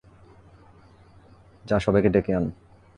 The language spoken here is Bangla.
যা, সবাইকে ডেকে আন।